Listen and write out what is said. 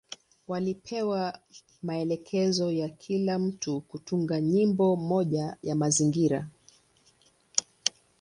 Walipewa maelekezo ya kila mtu kutunga nyimbo moja ya mazingira.